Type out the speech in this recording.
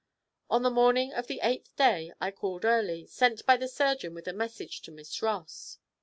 On the morning of the eighth day I called early, sent by the surgeon with a message to Miss Ross.